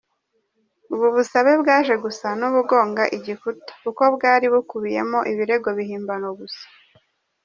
Ubu busabe bwaje gusa n’ubugonga igikuta kuko bwari bukubiyemo ibirego bihimbano gusa.